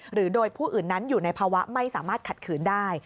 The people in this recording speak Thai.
หรือโดยผู้อื่นนั้นอยู่ในภาวะไม่สามารถขัดขืนได้